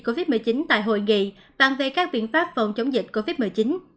covid một mươi chín tại hội nghị bàn về các biện pháp phòng chống dịch covid một mươi chín